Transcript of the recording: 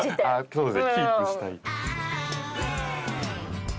そうですねキープしたい。